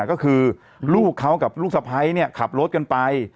ก็คือลูกเขากับลูกสะพ้ายขับรถกันไป